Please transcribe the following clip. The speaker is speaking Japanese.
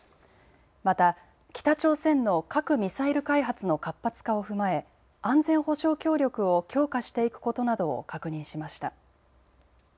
また北朝鮮の核・ミサイル開発の活発化を踏まえ安全保障協力を強化していくことなどを確認しました。